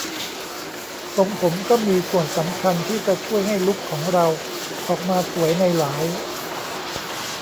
ทรงผมก็มีส่วนสำคัญที่จะช่วยให้ลุคของเราออกมาสวยในหลาย